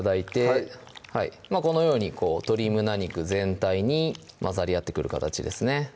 はいこのように鶏胸肉全体に混ざり合ってくる形ですね